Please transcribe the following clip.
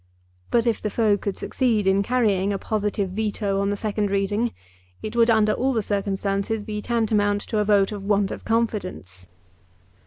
But if the foe could succeed in carrying a positive veto on the second reading, it would under all the circumstances be tantamount to a vote of want of confidence.